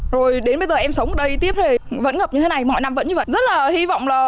rồi đến bây giờ em sống ở đây tiếp thì vẫn ngập như thế này mỗi năm vẫn như vậy